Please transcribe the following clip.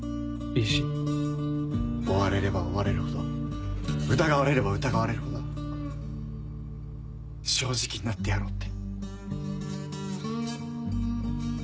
追われれば追われるほど疑われれば疑われるほど正直になってやろうって。